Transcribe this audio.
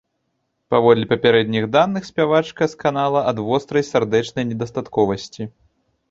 Паводле папярэдніх даных, спявачка сканала ад вострай сардэчнай недастатковасці.